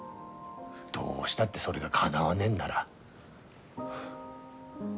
どうしたってそれがかなわねえんなら。